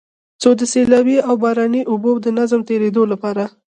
څو د سيلابي او باراني اوبو د منظم تېرېدو لپاره